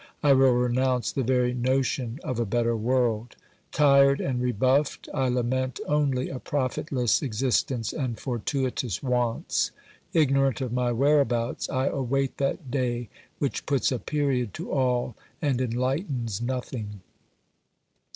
I will renounce the very notion of a better world ! Tired and rebuffed, I lament only a profitless existence and fortuitous wants. Ignorant of my whereabouts, I await that day which puts a period to all and enlightens nothing.